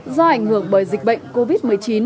do ảnh hưởng bởi dịch bệnh covid một mươi chín